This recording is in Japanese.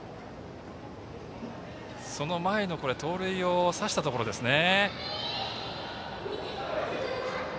その前の盗塁を刺したところですね。